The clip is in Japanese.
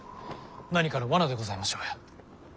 何かの罠でございましょうや。